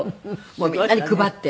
みんなに配って。